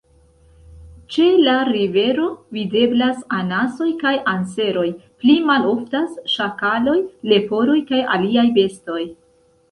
Ĉe la rivero videblas anasoj kaj anseroj; pli maloftas ŝakaloj, leporoj kaj aliaj bestoj.